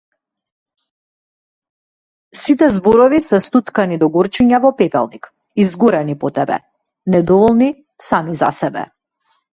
Сите зборови се стуткани догорчиња во пепелник, изгорени по тебе, недоволни сами за себе.